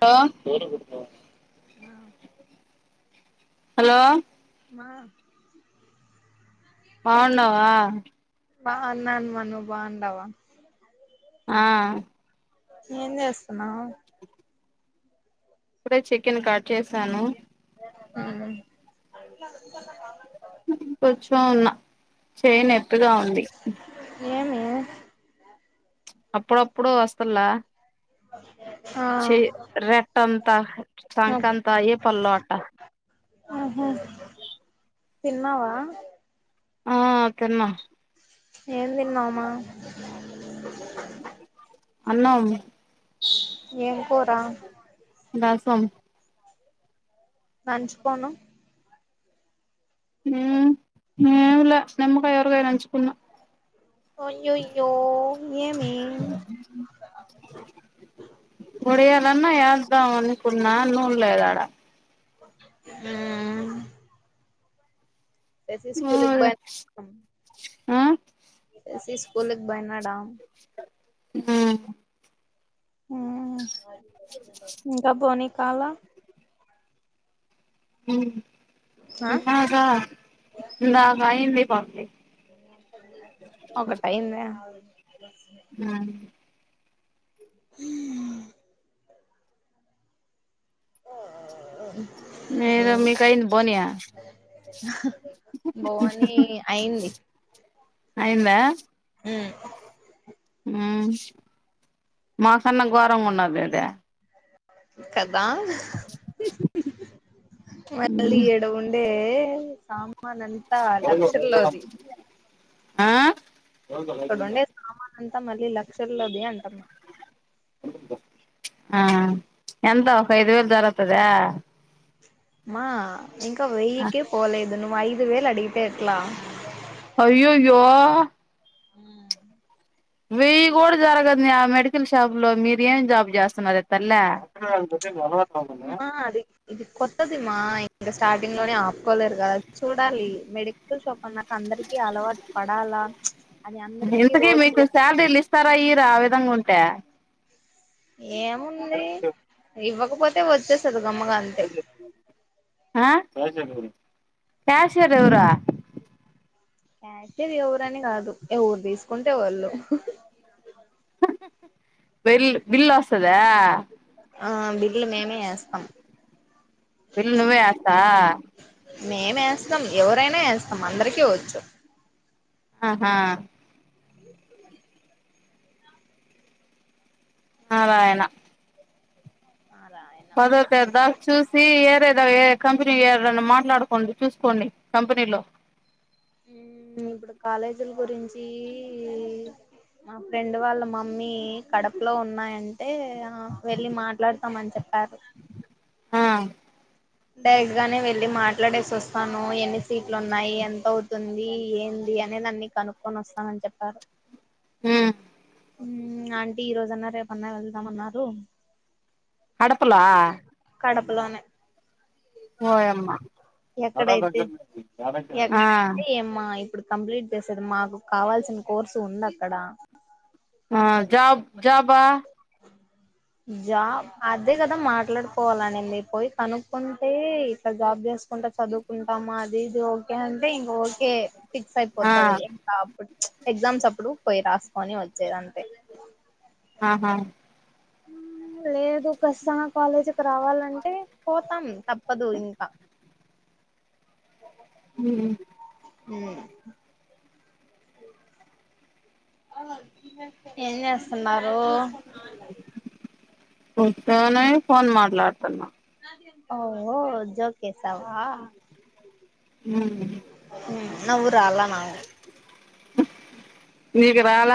లొ ఆ హలో మా బాగున్నావా బావున్నానమ్మ నవ్వు బాగున్నావా ఆ ఏం చేస్తున్నావ్ ఇప్పుడె చికెన్ కట్ చేసాను [unintelligible] కుచ్చో ఉన్న చెయ్ నెప్పిగా ఉంది ఏమైంది అప్పుడప్పుడు వస్తల్ల [unintelligible] చె రెట్ అంతా సంకంతా ఏ పల్లో అట ఆహ తిన్నావా ఆ తిన్నా ఏం తిన్నావ్ మా అన్నాం ఏం కూర రాసం నంచుకోను ఉమ్ ఏంలే నిమ్మకాయ్ ఊరగాయ్ నంచ్చుకున్న అయ్యయ్యో ఏమీ ఒడియాలన్ చ్ద్దాం అనుకున్నా నూన్ లేదాడ ఉమ్ యసి స్కూల్ బన్ ఆ యసి స్కూలు కి బయినాడ ఉమ్ ఉమ్ ఇంకాబోనీ కాల ఉమ్ ఆ ఇందాక ఇందాక అయింది పంది ఒక టైంద ఉమ్ హ ఓ [unintelligible] మీదో మికయెంద బోన బోని అయింది అయందా ఉమ్ ఉమ్ మాకన్నా ఘోరంగా ఉన్నది ఏందే కదా మళ్ళీ ఎడ ఉండే ఏ సామాన్ అంతా లక్షల్లోది ఆ ఇక్కడు ఉండే సామాన్ అంతా మళ్ళీ లక్షల్లోది అంటన్నా ఆ ఎంత ఒక ఐదు వేలు జరత్తాద్యా మా ఇంకా వెయ్యికే పోలేదు నువ్వు ఐదు వేలు అడిగితే ఎట్లా? అయ్యోయ్యో ఉమ్ వెయ్యి కూడా జరగదని ఆ మెడికల్ షాప్ లో మీరు ఏం జాబ్ చేస్తున్నారే తల్ల? వదలత్నావ్ కదా మా అది ఇది కొత్తదిమ్మా ఇంకా స్టార్టింగ్ లోనే ఆపుకోలేరు కదా చూడాలి, మెడికల్ షాప్ అన్నాక అందరికి అలవాటు పడాలా ప్చ్ ఇంతకీ మీకు సలరీలు ఇస్తారా ఇయ్యరా ఆ విధంగా ఉంటే? ఏముంది ఇవ్వకపోతే వచ్చేస్తది గమ్మగా అంతే ఆ క్యాషియర్ ఎవరా? క్యాషియర్ ఎవరని కాదు, ఎవరు తీసుకుంటే వాళ్ళు వెల్ బిల్ వస్తదా? ఆ బిల్లు మేమే ఏస్తాం. బిల్ నువ్వే ఏస్తా మేమేస్తాం ఎవరైనా ఏస్ మం అందరికి వచ్చు ఆహా నారాయణ ఆ రాయన పదోర్ తర్దా చూసి ఏరే ద ఏ ఏ కంపెనీ ఎవర్ నన్నా మాట్లాడుకోండి, చూసుకోండి కంపెనీలో. ఉమ్ ఇప్పుడు కాలేజీల్ గురించి మా ఫ్రెండ్ వాళ్ళ మమ్మీ కడపలో ఉన్నాయంటే, ఆ వెళ్లి మాట్లాడతాం అని చెప్ కాదు ఆ డైరెక్ట్ గానే వెళ్ళి మాట్లాడేసి వస్తాను, ఎన్ని సీట్లు ఉన్నాయి, ఎంత అవుతుంది, ఏం ఈయనే నన్ని కనుక్కొని వస్తానని చెప్పారు. ఉమ్ ఆంటీ ఈరోజన్న రేపన్నా వెళ్దామన్నారు. కడపలా కడపలోనే ఓ యామ్మా ఎక్కడైతే ఆ ఎక్కడైతే ఏమ్మా ఇప్పుడు కంప్లీట్ చేసేది మాకు కావాల్సిన కోర్సు ఉందక్కడ ఆ జాబ్ జబా [inaudible] జాబ్ అదే కదా మాట్లాడుకోవాలనింది, పోయి కనుక్కుంటే ఇట్లా జాబ్ చేసు కుంట చదువుకుంటామా అది ఇది ఓకే అంటే ఇంగ ఓకే ఫిక్స్ ఆ అయిపోతది ఇంగా అప్పుడు ఎగ్జామ్స్ అప్పుడు పోయి రాసుకొని వచ్చేయ్ అంతే ఆహా ఉ లేదు కచ్చితంగ కాలేజీకి రావాలంటే, పోతాం తప్పదు ఇంక. అ ఉమ్ ఊ ఏం జేస్తున్నారూ ఉత్తగనే ఫోన్ మాట్లాడుతున్న ఓహో జోకేశావా ఉ ఉ నవ్వురాల మా నీకు రాల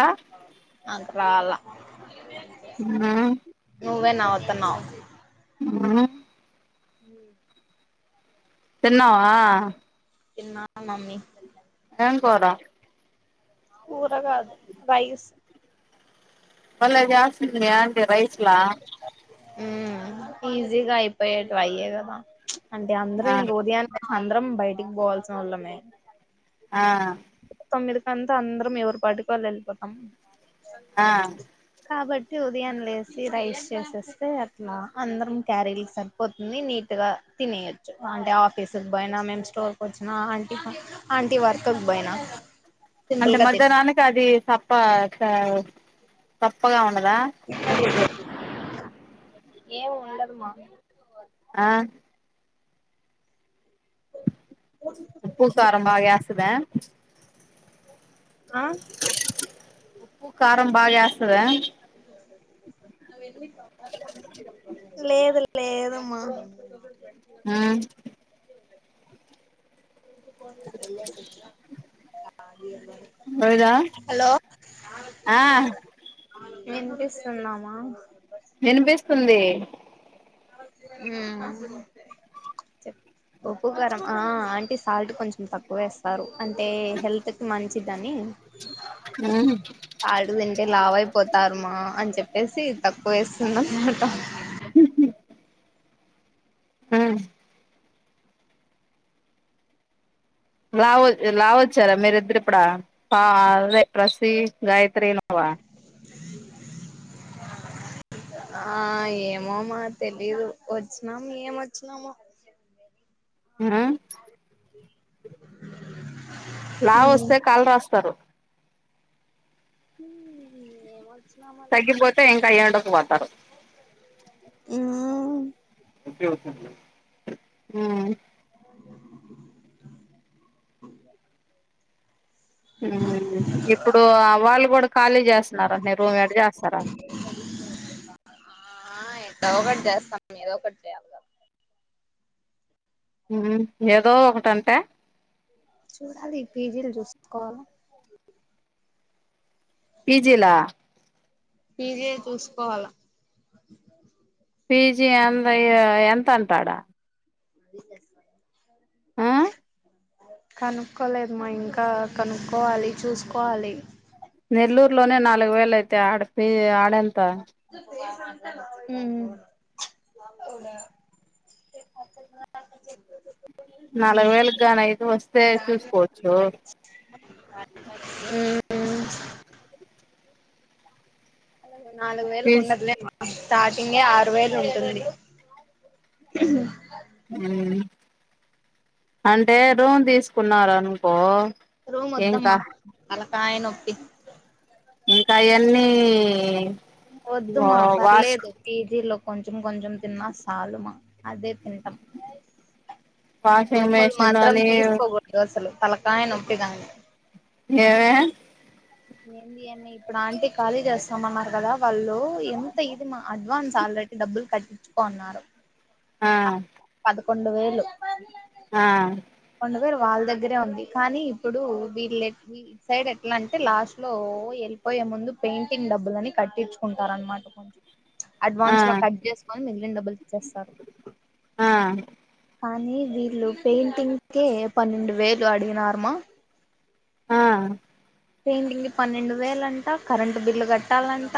నాకు రాలా హ నువ్వె నవ్వుతున్నావ్ ఊ ఉ తిన్నవా తిన్నా మమ్మీ ఏం కూర కూర గాదు రైస్ వళ్ళ గ్యాస్ అంటే రైస్ గ్లా ఉ ఈజీగా అయిపోయేటు అయ్యే రామా అంటే అందరూ ఆ ఇంగు ఉదయాన్నే అందరం బయటికి పోవాల్సిన నోళ్లమే ఆ తొమ్మిది కంత అందరం ఎవరిపాటికి వాళ్ళుము ఎళ్ళిపోతాం ఆ కాబట్టి ఉదయాన్ లేసి రైస్ చేసేస్తే అట్ల అందరం క్యారీలు సరిపోతుంది నీట్ గా తినేయోచ్చు అంటే ఆఫీసు బోయినా మేము స్టోర్కి ఓచ్చిన ఆంటీ అంటి వర్క్ బైనా అంటే మధ్యాహ్నానికి అది సప్ప సా సప్పగా ఉండదా ఏం ఉండదుమా ఆ ఉప్పు కారం బాగాఏస్తదా ఆ కానీ బాగా చేస్ లేదు లే లేదు మ ఆ ఎల్లిసి వచ్చా లేదా హలో ఆ ఏం చేసున్నామా వినిపిస్తుంది ఉ ఉప్పుకారాము ఆ ఆంటీ సాల్ట్ కొంచెం తక్కువేస్తారు అంటే హెల్త్ కి మంచిదని ఉ హు ఆడు తింటే లావయిపోతారుమా అని చెప్పేసి తక్కువ వేస్తుంద అనమాట ఆ లావ లావోచ్చార మీరద్దరు ఇప్పుడా పాదే రసి గాయత్రి నావా ఆ ఆ ఏమో మరి తెలీదు వచ్చినాము ఏమొచ్చినామో తెలీదు ఆ లావు వస్తే కాలర్ వస్తారు హు ఏమో హు తగ్గిపోతే ఇంకా ఏడుకు పోతారు [unintelligible] ఉమ్ ఇప్పుడు వాళ్ళు కూడ ఖాళీ చేస్తున్నారంటనే ఎటు చేస్తారు ఆ ఏట్టో ఒకటి చేస్తాం ఏదో ఒకటి చేయాలి కదా హు ఏదో ఒకటంటే చూడాలి పీజీలు చూసుకో పీజీలా పీజీ ఏ చూసుకోవాల పీజీ ఏందో ఎంత అంట ఆడ ఆ అది కనుక్కోలేదుమ ఇంకా కనుక్కోవాలి చూసుకోవాలి నెల్లూరు లోనే నాలుగు వేలు అయితే ఆడపి ఆడ హు చె నాలుగు వేలు గానీ అయితే వస్తే చూసుకోచ్చు హు నాలుగు వేలకు ఫీజ్ ఉండదులే స్టార్టింగే ఆరు వేలు ఉంటుంది అంటే రూమ్ తీసుకున్నారు అనుకో రూమ్ ఇంకా ఒద్దమ్మా తలకాయ నొప్పి ఇంకా అయన్నీ వద్దుమా వాష్ పర్లేదు పీజీలో కొంచెం కొంచెం తిన్నా సాలుమ అదే తింటాం వాషింగ్ రూములు మెషిన్ మాత్రం అని తీసుకోకూడదు అసలు తలకాయ్ నొప్పి [unintelligible] ఏమి ఏంది ఏమి ఇప్పుడు ఆంటీ ఖాళీ చేస్తామన్నారు కదా వాళ్ళు ఎంత ఇది అడ్వాన్స్ ఆ డబ్బులు కట్టించుకోన్నారు ఆ పదకొండు వేలు ఆ పదకొండు వాళ్ళ దగ్గరే ఉంది కానీ ఇప్పుడు వీళ్ళ సైడ్ ఎట్లా అంటే లాస్ట్ లో ఎల్ పోయే ముందు పెయింటింగ్ డబ్బులు అని కట్టించుకుంటార అన్నమాట కొంచెం ఆ అడ్వాన్స్ లో కట్ చేసుకొని మిగిలిన డబ్బులు ఇచ్చేస్తారు ఆ కానీ వీళ్ళు పెయింటింగ్ కే పన్నెండు వేలు అడిగినారుమా ఆ పెయింటింగ్కి పన్నెండు వేల అంట కరెంటు బిల్లు కట్టాలంట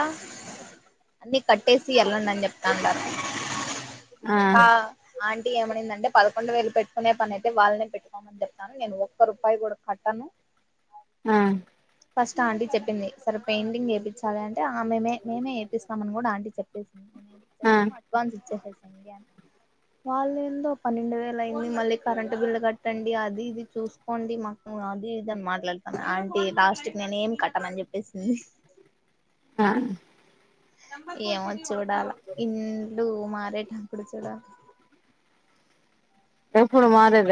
అన్ని కట్టేసి ఏళ్ళండి చెప్తండరు ఆ ఏమైందంటే పదకొండు వేలు పెట్టుకునే పని అయితే వాళ్ళనే పెట్టుకోమని చెప్తాను నేను ఒక్క రూపాయి కూడా కట్టాను ఆ ఫస్ట్ ఆంటీ చెప్పింది సరే పెయింటింగ్ ఏపిచ్చాలి అంటే ఆ మేమే మేమే ఏపిస్తామ అని కూడా ఆంటీ చెప్ ఆ అడ్వాన్స్ ఇచ్చేసేయ్ [inaudible] వాళ్ళు ఏందో పన్నెండు వేల అయింది మళ్ళీ కరెంటు బిల్లు కట్టండి అది ఇది చూసుకోండి మాకు అది ఇదని మాట్లాడుతాను ఆంటీ లాస్ట్ కి నేను ఏం కట్టనని చెప్పేసింది ఆ ఏమో చూడాల ఇంలు మారేటప్పుడు చూడాలి ఎప్పుడు మాదిద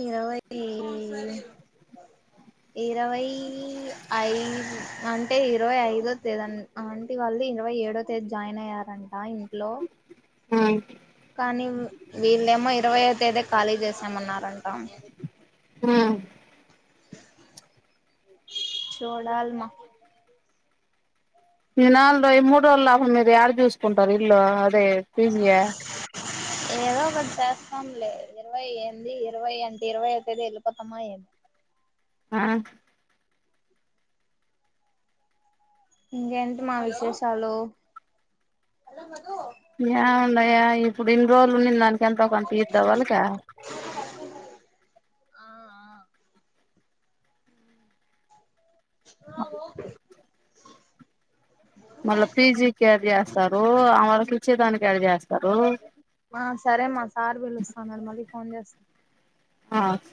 ఈ అవ్వ ఇది ఇరవై ఐ అంటే ఇరవై ఐదో తేద ఆంటి వాళ్ది ఇరవై ఏడో తేదీ జాయిన్ అయ్యారంట ఇంట్లో అ కానీ వీళ్ళేమో ఇరవైయో తేదీ ఖాళీ చేసామన్నారంట ఆ చూడాల్మా ఈ నాలుగు రోజ మూడు రోజుల లాభం మీరు డ చూసుకుంటారు ఇల్లు అదే పీజీయ ఏదో ఒకటి చేస్తాంలే ఇరవై ఏమిది ఇరవై అంటే ఇరవై అవుతేద వెళ్ళిపోతామా ఏమి ఆ ఇంగ ఎంటీ మా విశేషాలు హలో మధు యా ఉండయా ఇ ఇప్పుడు ఇన్ని రోజులు నిన్న దానికి ఎంత ఒకంత ఇద్దావా అలకా ఆ ఆ అ ఓ మళ్ళా పీజీకి ఏది చేస్తారు ఆ వాళకి ఇచ్చే దానికి ఎది చేస్తారు ఆ సరే మా సార్ పిలుస్తన్నాడు మళ్ళి ఫోన్ చేస్త ఆ స